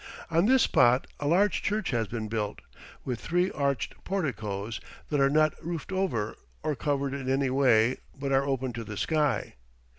On this spot a large church has been built, with three arched porticoes that are not roofed over or covered in any way, but are open to the sky.